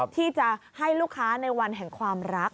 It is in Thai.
ที่จะให้ลูกค้าในวันแห่งความรัก